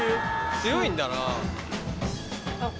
強いんだな。